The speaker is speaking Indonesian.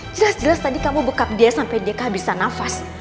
jelas jelas tadi kamu bekap dia sampai dia bisa nafas